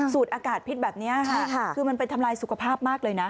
อากาศพิษแบบนี้ค่ะคือมันไปทำลายสุขภาพมากเลยนะ